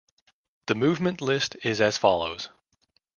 The movement list is as follows.